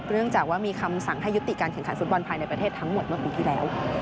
จากว่ามีคำสั่งให้ยุติการแข่งขันฟุตบอลภายในประเทศทั้งหมดเมื่อปีที่แล้ว